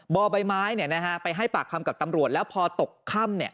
บอร์ใบไม้เนี่ยนะฮะไปให้ปากคำกับตำรวจแล้วพอตกค่ำเนี่ย